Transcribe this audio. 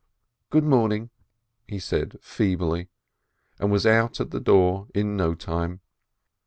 "Good morning!" he said feebly, and was out at the door in no time.